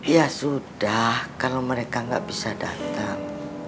ya sudah kalo mereka gak bisa dateng